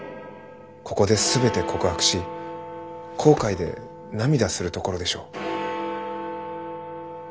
ここで全て告白し後悔で涙するところでしょう。